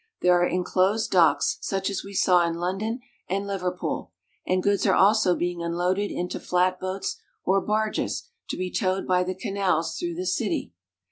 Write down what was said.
There are inclosed docks, such as we saw in London and Liverpool ; and goods are also being unloaded into flatboats or barges, to be towed by the canals through the city.